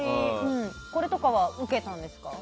これとかはウケたんですか？